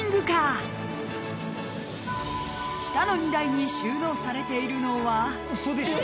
［下の荷台に収納されているのは］